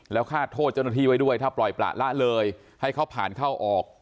แล้วคาดโทษเจ้าหน้าที่ไว้ด้วยถ้าปล่อยประละเลยให้เขาผ่านเข้าออก